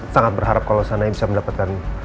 sangat berharap kalau seandainya bisa mendapatkan